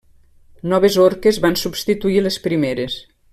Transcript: Noves orques van substituir les primeres.